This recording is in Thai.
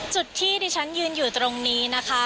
จุดที่ดิฉันยืนอยู่ตรงนี้นะคะ